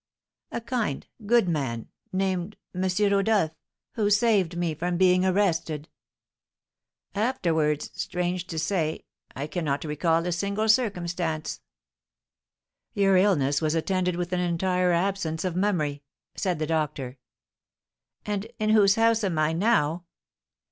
a kind, good man, named M. Rodolph, who saved me from being arrested. Afterwards, strange to say, I cannot recall a single circumstance." "Your illness was attended with an entire absence of memory," said the doctor. "And in whose house am I now?"